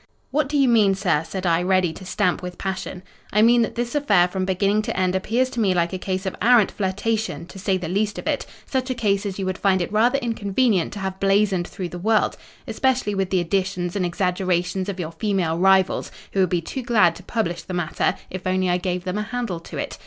"'What do your mean, sir?' said I, ready to stamp with passion. "'I mean that this affair from beginning to end appears to me like a case of arrant flirtation, to say the least of it—such a case as you would find it rather inconvenient to have blazoned through the world: especially with the additions and exaggerations of your female rivals, who would be too glad to publish the matter, if I only gave them a handle to it.